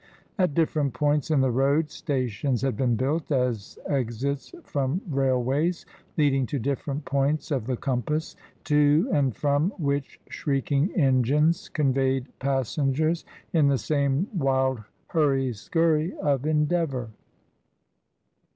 At dif ferent points in the road, stations had been built as exits from railways leading to different points of the compass, to and from which shrieking engines conveyed passen gers in the same wild hurry skurry of endeavour.